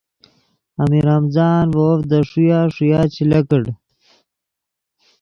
امیر حمزآن ڤے وف دے ݰویہ ݰویا چے لکڑ